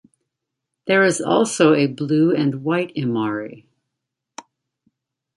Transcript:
There is also blue and white Imari.